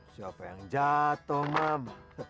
siapa yang jatoh mam